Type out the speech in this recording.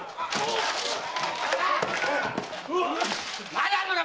まだやるのか？